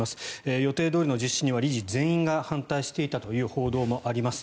予定どおりの実施には理事全員が反対していたという報道もあります。